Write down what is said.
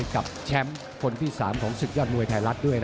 กับแชมป์คนที่๓ของศึกยอดมวยไทยรัฐด้วย